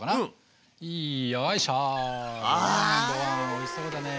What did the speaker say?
おいしそうだね！